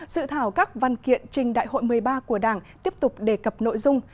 dự thảo các văn kiện trình đại hội một mươi ba của đảng tiếp tục đề cập nội dung